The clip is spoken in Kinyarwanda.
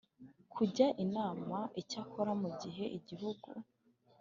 kujya inama, icyakora mu gihe igihugu